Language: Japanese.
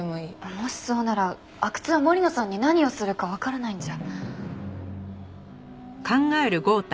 もしそうなら阿久津は森野さんに何をするかわからないんじゃ。